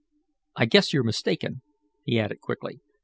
"I guess you're mistaken," he added quickly.